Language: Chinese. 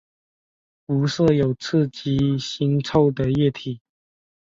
无色有刺激腥臭味的液体。